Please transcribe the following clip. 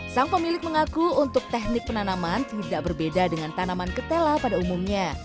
sang pemilik mengaku untuk teknik penanaman tidak berbeda dengan tanaman ketela pada umumnya